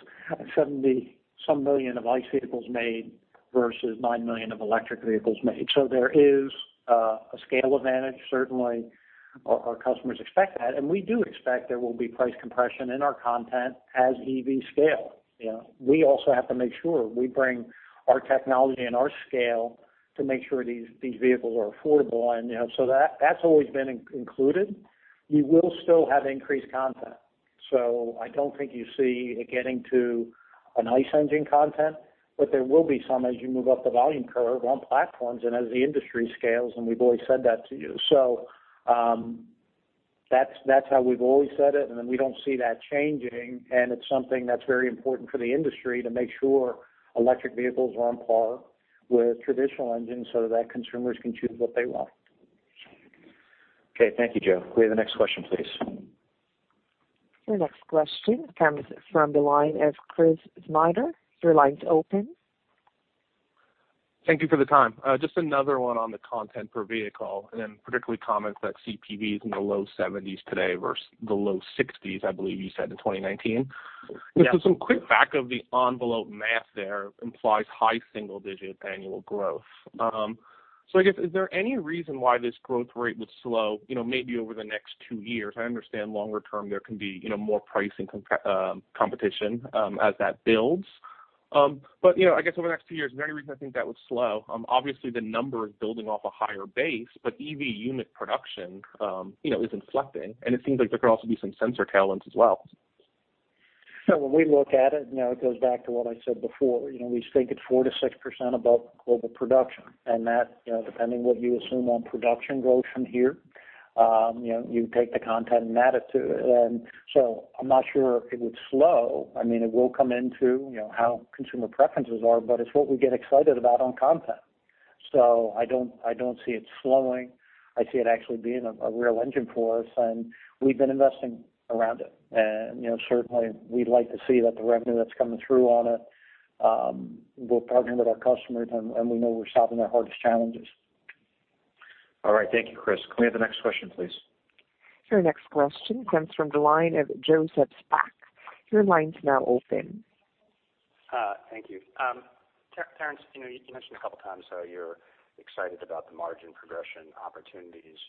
70-some million of ICE vehicles made versus nine million of electric vehicles made. So there is a scale advantage. Certainly, our customers expect that. And we do expect there will be price compression in our content as EVs scale. We also have to make sure we bring our technology and our scale to make sure these vehicles are affordable. And so that's always been included. You will still have increased content. So I don't think you see it getting to an ICE engine content, but there will be some as you move up the volume curve on platforms and as the industry scales, and we've always said that to you. So that's how we've always said it, and we don't see that changing. And it's something that's very important for the industry to make sure electric vehicles are on par with traditional engines so that consumers can choose what they want. Okay, thank you, Joe. Clea next question, please. Your next question comes from the line of Chris Snyder. Your line's open. Thank you for the time. Just another one on the content per vehicle, and then particularly comments that CPVs in the low 70s today versus the low 60s, I believe you said in 2019. So some quick back of the envelope math there implies high single-digit annual growth. So I guess, is there any reason why this growth rate would slow maybe over the next two years? I understand longer term there can be more pricing competition as that builds. But I guess over the next two years, is there any reason I think that would slow? Obviously, the number is building off a higher base, but EV unit production is inflecting, and it seems like there could also be some sensor tailwinds as well. So when we look at it, it goes back to what I said before. We think it's 4%-6% above global production. And that, depending what you assume on production growth from here, you take the content and add it to it. And so I'm not sure it would slow. I mean, it will come into how consumer preferences are, but it's what we get excited about on content. So I don't see it slowing. I see it actually being a real engine for us, and we've been investing around it. And certainly, we'd like to see that the revenue that's coming through on it, we're partnering with our customers, and we know we're solving our hardest challenges. All right. Thank you, Chris. Clea next question, please. Your next question comes from the line of Joseph Spach. Your line's now open. Thank you. Terrence, you mentioned a couple of times how you're excited about the margin progression opportunities.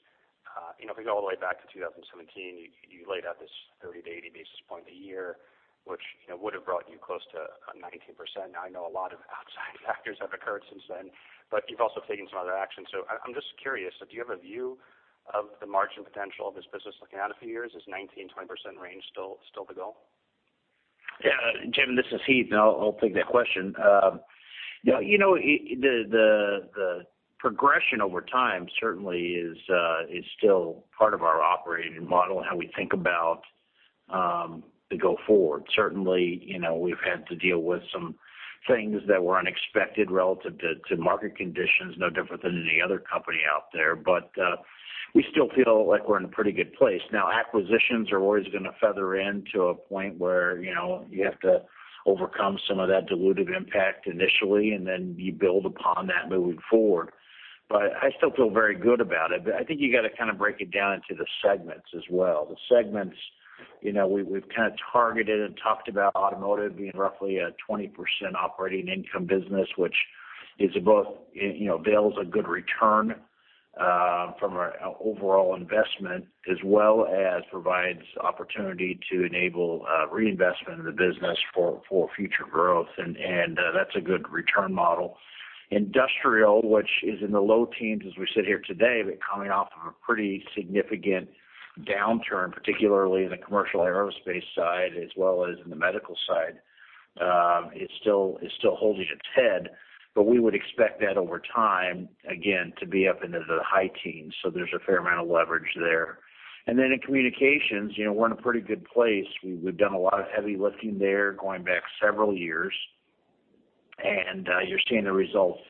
If we go all the way back to 2017, you laid out this 30-80 basis points a year, which would have brought you close to 19%. Now, I know a lot of outside factors have occurred since then, but you've also taken some other action. So I'm just curious, do you have a view of the margin potential of this business looking out a few years? Is 19%-20% range still the goal? Jim, this is Heath, and I'll take that question. The progression over time certainly is still part of our operating model and how we think about the go forward. Certainly, we've had to deal with some things that were unexpected relative to market conditions, no different than any other company out there, but we still feel like we're in a pretty good place. Now, acquisitions are always going to feather in to a point where you have to overcome some of that dilutive impact initially, and then you build upon that moving forward, but I still feel very good about it, but I think you got to kind of break it down into the segments as well. The segments we've kind of targeted and talked about Automotive being roughly a 20% operating income business, which both avails a good return from our overall investment as well as provides opportunity to enable reinvestment in the business for future growth, and that's a good return model. Industrial, which is in the low teens as we sit here today, but coming off of a pretty significant downturn, particularly in the commercial aerospace side as well as in the Medical side, is still holding its head, but we would expect that over time, again, to be up into the high teens. So there's a fair amount of leverage there. And then in Communications, we're in a pretty good place. We've done a lot of heavy lifting there going back several years, and you're seeing the results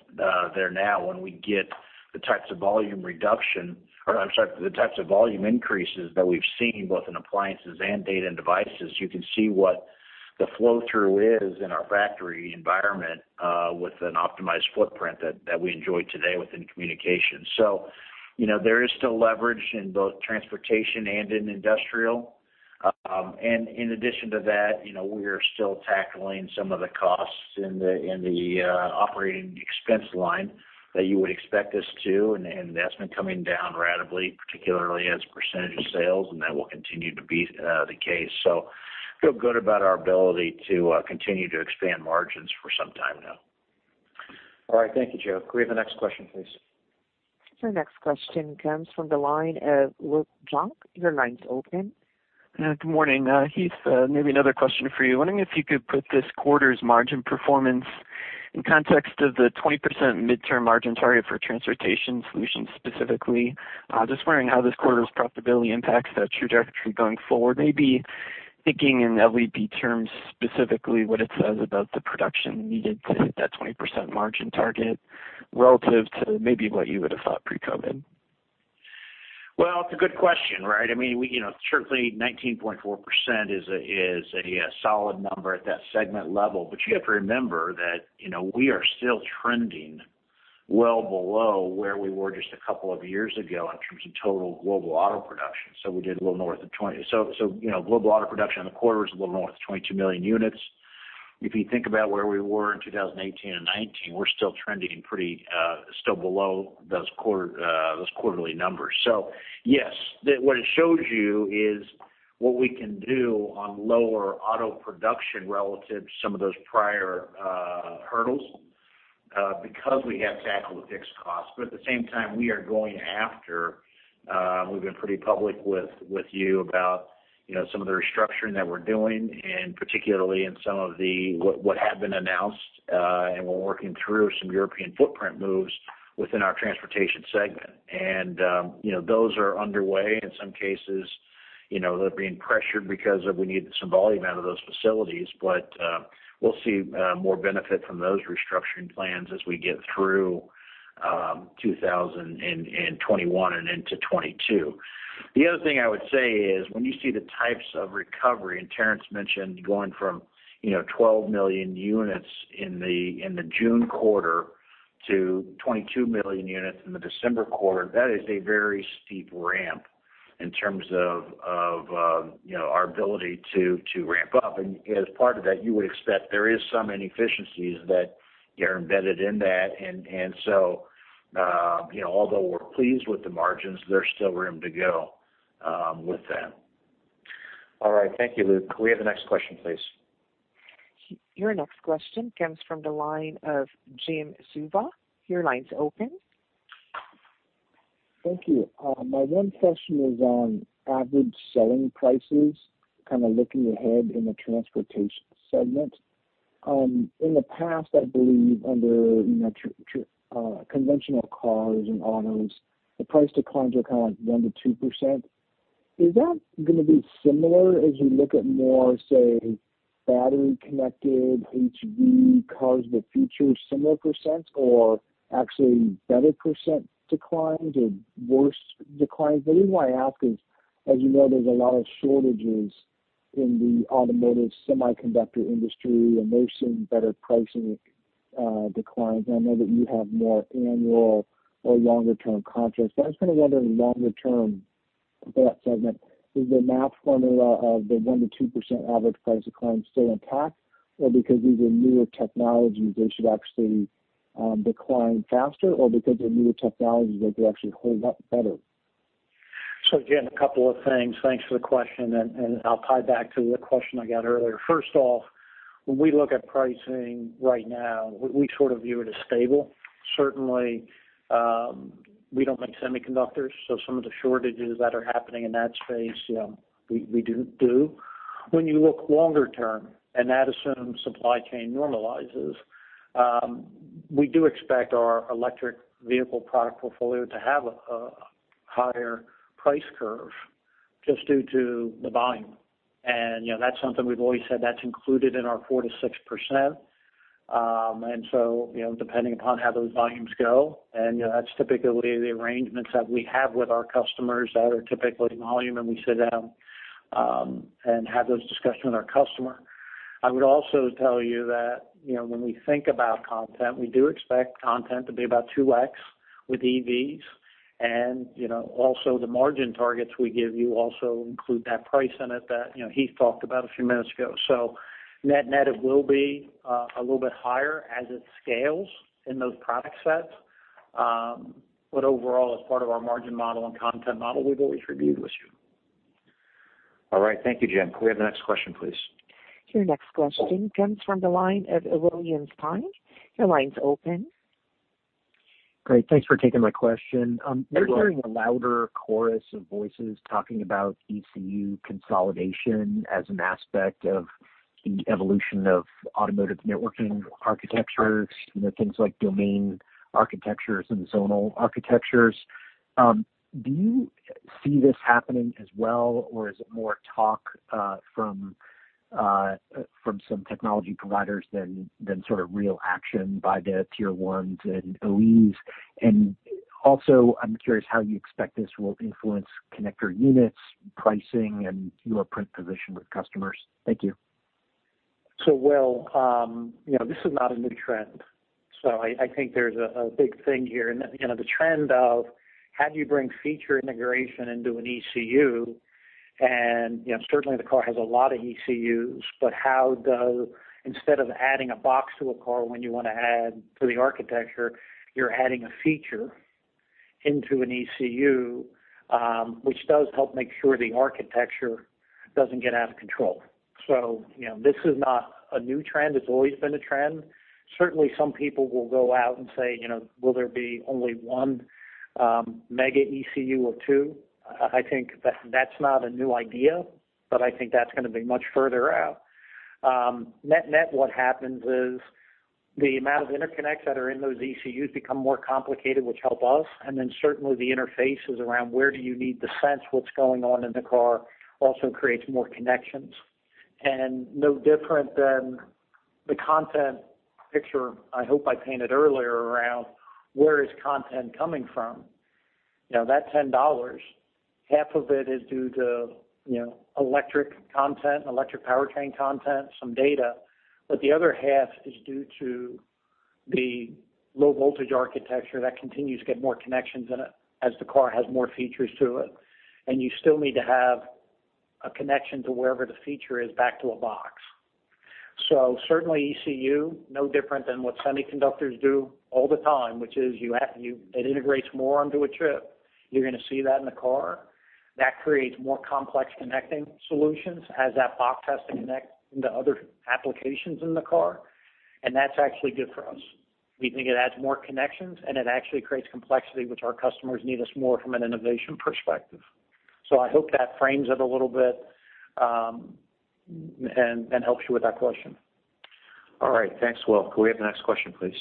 there now when we get the types of volume reduction or, I'm sorry, the types of volume increases that we've seen both in Appliances and Data and Devices. You can see what the flow-through is in our factory environment with an optimized footprint that we enjoy today within Communications. So there is still leverage in both Transportation and in Industrial. And in addition to that, we are still tackling some of the costs in the operating expense line that you would expect us to, and that's been coming down radically, particularly as percentage of sales, and that will continue to be the case. So feel good about our ability to continue to expand margins for some time now. All right. Thank you, Joe. Clea next question, please. Your next question comes from the line of Luke John. Your line's open. Good morning. Heath, maybe another question for you. Wondering if you could put this quarter's margin performance in context of the 20% midterm margin target for Transportation solutions specifically. Just wondering how this quarter's profitability impacts that trajectory going forward. Maybe thinking in LVP terms specifically what it says about the production needed to hit that 20% margin target relative to maybe what you would have thought pre-COVID. Well, it's a good question, right? I mean, certainly 19.4% is a solid number at that segment level, but you have to remember that we are still trending well below where we were just a couple of years ago in terms of total Global Auto Production. So we did a little north of 20. So global Auto production in the quarter was a little north of 22 million units. If you think about where we were in 2018 and 2019, we're still trending pretty still below those quarterly numbers. So yes, what it shows you is what we can do on lower Auto production relative to some of those prior hurdles because we have tackled the fixed costs. But at the same time, we are going after. We've been pretty public with you about some of the restructuring that we're doing, and particularly in some of what had been announced, and we're working through some European footprint moves within our Transportation segment, and those are underway. In some cases, they're being pressured because we need some volume out of those facilities, but we'll see more benefit from those restructuring plans as we get through 2021 and into 2022. The other thing I would say is when you see the types of recovery, and Terrence mentioned going from 12 million units in the June quarter to 22 million units in the December quarter, that is a very steep ramp in terms of our ability to ramp up. And as part of that, you would expect there are some inefficiencies that are embedded in that. And so although we're pleased with the margins, there's still room to go with that. All right. Thank you, Luke. Clea next question, please. Your next question comes from the line of Jim Suva. Your line's open. Thank you. My one question is on average selling prices, kind of looking ahead in the Transportation segment. In the past, I believe under conventional cars and Autos, the price declines were kind of like 1%-2%. Is that going to be similar as you look at more, say, battery-connected HV cars with features, similar %, or actually better % declines or worse declines? The reason why I ask is, as you know, there's a lot of shortages in the automotive semiconductor industry, and they're seeing better pricing declines. And I know that you have more annual or longer-term contracts. But I was kind of wondering, longer-term for that segment, is the math formula of the 1%-2% average price decline still intact, or because these are newer technologies, they should actually decline faster, or because they're newer technologies, they could actually hold up better? A couple of things. Thanks for the question, and I'll tie back to the question I got earlier. First off, when we look at pricing right now, we sort of view it as stable. Certainly, we don't make semiconductors, so some of the shortages that are happening in that space, we do. When you look longer term, and that assumes supply chain normalizes, we do expect our electric vehicle product portfolio to have a higher price curve just due to the volume. And that's something we've always said that's included in our 4%-6%. And so depending upon how those volumes go, and that's typically the arrangements that we have with our customers that are typically volume, and we sit down and have those discussions with our customer. I would also tell you that when we think about content, we do expect content to be about 2X with EVs. And also the margin targets we give you also include that price in it that Heath talked about a few minutes ago. Net-net, it will be a little bit higher as it scales in those product sets. But overall, as part of our margin model and content model, we've always reviewed with you. All right. Thank you, Jim. Clea next question, please. Your next question comes from the line of William Stein. Your line is open. Great. Thanks for taking my question. We're hearing a louder chorus of voices talking about ECU consolidation as an aspect of the evolution of Automotive Networking Architectures, things like domain architectures and zonal architectures. Do you see this happening as well, or is it more talk from some technology providers than sort of real action by the Tier 1s and OEs? And also, I'm curious how you expect this will influence connector units, pricing, and your print position with customers. Thank you. Well, this is not a new trend. So I think there's a big thing here. And the trend of how do you bring feature integration into an ECU? And certainly, the car has a lot of ECUs, but how do, instead of adding a box to a car when you want to add to the architecture, you're adding a feature into an ECU, which does help make sure the architecture doesn't get out of control? So this is not a new trend. It's always been a trend. Certainly, some people will go out and say, "Will there be only one mega ECU or two?" I think that's not a new idea, but I think that's going to be much further out. Net-net, what happens is the amount of interconnects that are in those ECUs become more complicated, which help us. And then certainly, the interfaces around where do you need Sensors, what's going on in the car, also creates more connections. No different than the content picture I hope I painted earlier around where is content coming from. That $10, half of it is due to electric content, electric powertrain content, some data, but the other half is due to the low-voltage architecture that continues to get more connections in it as the car has more features to it. And you still need to have a connection to wherever the feature is back to a box. So certainly, ECU, no different than what semiconductors do all the time, which is it integrates more onto a chip. You are going to see that in the car. That creates more complex connecting solutions as that box has to connect into other applications in the car. And that is actually good for us. We think it adds more connections, and it actually creates complexity, which our customers need us more from an innovation perspective. So I hope that frames it a little bit and helps you with that question. All right. Thanks, Will. Clea next question, please.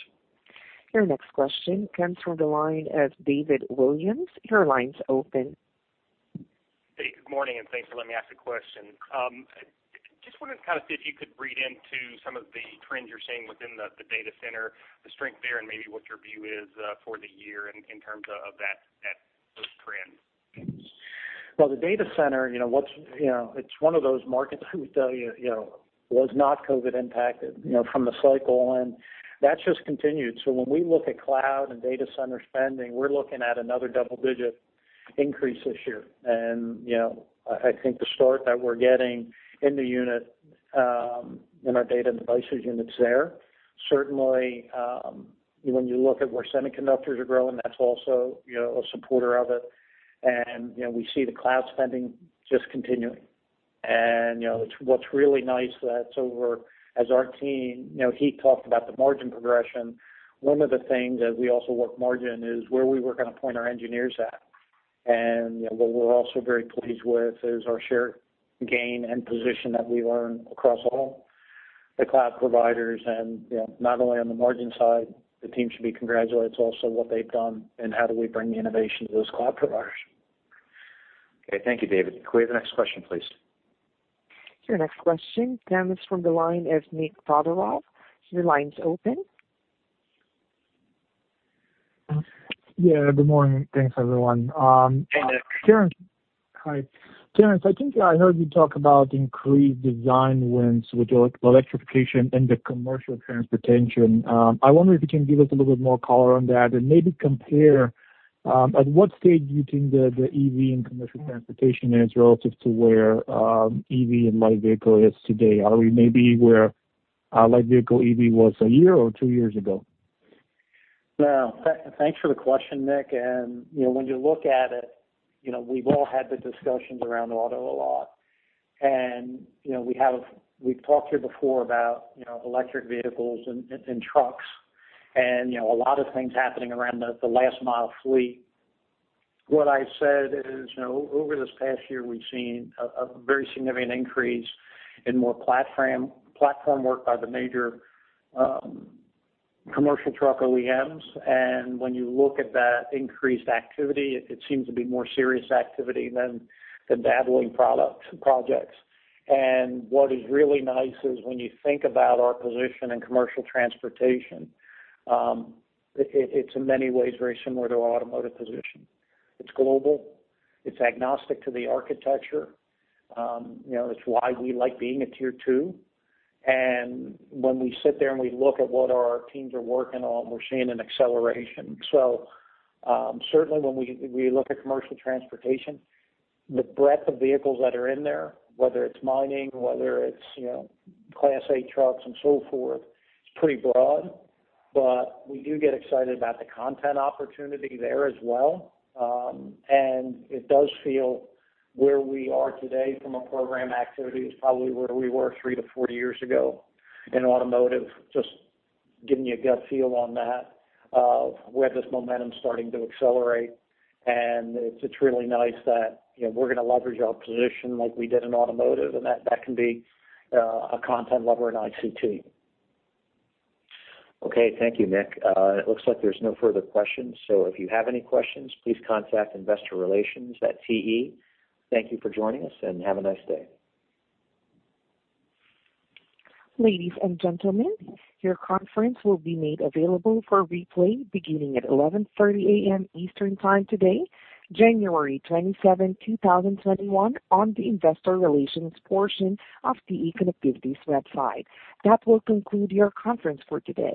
Your next question comes from the line of David Williams. Your line's open. Hey, good morning, and thanks for letting me ask a question. Just wanted to kind of see if you could read into some of the trends you're seeing within the data center, the strength there, and maybe what your view is for the year in terms of those trends. Well, the data center, it's one of those markets I would tell you was not COVID-impacted from the cycle, and that's just continued. So when we look at cloud and data center spending, we're looking at another double-digit increase this year. I think the start that we're getting in the unit, in our data and devices units there, certainly, when you look at where semiconductors are growing, that's also a supporter of it. We see the cloud spending just continuing. What's really nice is what our team, Heath, talked about, the margin progression. One of the things that we also work on margin is where we were going to point our engineers at. What we're also very pleased with is our share gain and position that we learn across all the cloud providers. Not only on the margin side, the team should be congratulated. It's also what they've done and how we bring the innovation to those cloud providers. Okay. Thank you, David. Operator, next question, please. Your next question comes from the line of Nik Todorov. Your line is open. Yeah. Good morning. Thanks, everyone. Hey, Nik. Hi. Terrence, I think I heard you talk about increased design wins with electrification in the Commercial Transportation. I wonder if you can give us a little bit more color on that and maybe compare at what stage you think the EV in Commercial Transportation is relative to where EV and light vehicle is today. Are we maybe where light vehicle EV was a year or two years ago? Well, thanks for the question, Nick. And when you look at it, we've all had the discussions around Auto a lot. And we've talked here before about electric vehicles and trucks and a lot of things happening around the last-mile fleet. What I've said is over this past year, we've seen a very significant increase in more platform work by the major commercial truck OEMs. And when you look at that increased activity, it seems to be more serious activity than dabbling product projects. And what is really nice is when you think about our position in Commercial Transportation, it's in many ways very similar to our automotive position. It's global. It's agnostic to the architecture. It's why we like being a Tier 2. And when we sit there and we look at what our teams are working on, we're seeing an acceleration. So certainly, when we look at Commercial Transportation, the breadth of vehicles that are in there, whether it's mining, whether it's Class 8 trucks and so forth, it's pretty broad. But we do get excited about the content opportunity there as well. And it does feel where we are today from a program activity is probably where we were three to four years ago in automotive. Just giving you a gut feel on that of where this momentum is starting to accelerate, and it's really nice that we're going to leverage our position like we did in automotive, and that can be a content lever in ICT. Okay. Thank you, Nick. It looks like there's no further questions. So if you have any questions, please contact investorrelations@te.com. Thank you for joining us, and have a nice day. Ladies and gentlemen, your conference will be made available for replay beginning at 11:30 A.M. Eastern Time today, January 27, 2021, on the investor relations portion of TE Connectivity's website. That will conclude your conference for today.